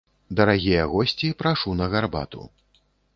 Дарагія госці, прашу на гарбату.